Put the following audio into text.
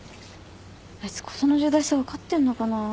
あいつ事の重大さ分かってんのかなぁ。